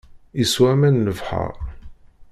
Yeswa aman n lebḥeṛ.